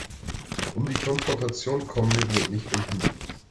Um die Konfrontation kommen wir wohl nicht umhin.